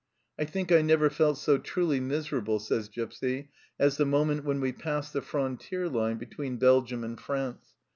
" I think I never felt so truly miserable," says Gipsy, "as the moment when we passed the frontier line between Belgium and France.